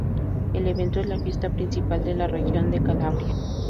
El evento es la fiesta principal de la región de Calabria.